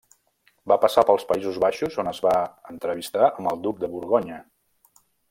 Va passar pels Països Baixos on es va entrevistar amb el duc de Borgonya.